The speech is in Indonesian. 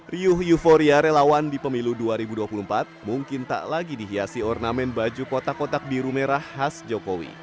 riuh euforia relawan di pemilu dua ribu dua puluh empat mungkin tak lagi dihiasi ornamen baju kotak kotak biru merah khas jokowi